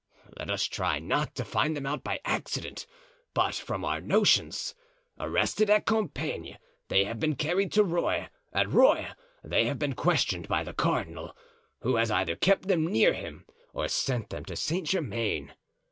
Let us try not to find them out by accident, but from our notions. Arrested at Compiegne, they have been carried to Rueil; at Rueil they have been questioned by the cardinal, who has either kept them near him or sent them to Saint Germain.